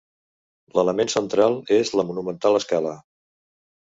L'element central és la monumental escala.